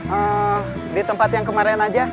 eee di tempat yang kemarin aja